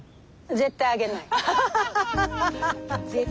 絶対あげないって。